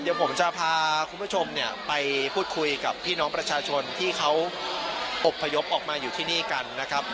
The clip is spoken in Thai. เดี๋ยวผมจะพาคุณผู้ชมเนี่ยไปพูดคุยกับพี่น้องประชาชนที่เขาอบพยพออกมาอยู่ที่นี่กันนะครับ